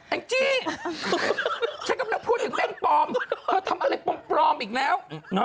แอ่งจี้ฉันกำลังพูดอย่างแม่งก์ปลอมเขาทำอะไรปลอมอีกแล้ว